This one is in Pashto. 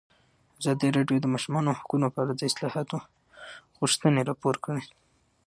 ازادي راډیو د د ماشومانو حقونه په اړه د اصلاحاتو غوښتنې راپور کړې.